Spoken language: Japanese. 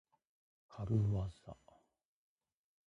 かるわざ。